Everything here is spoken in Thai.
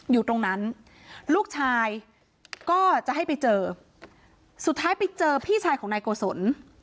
อยู่ตรงนั้นลูกชายก็จะให้ไปเจอสุดท้ายไปเจอพี่ชายของนายโกศล